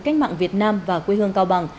cách mạng việt nam và quê hương cao bằng